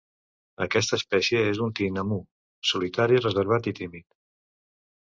Aquesta espècie és un tinamú solitari, reservat i tímid.